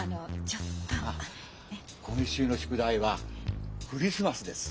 今週の宿題は「クリスマス」です。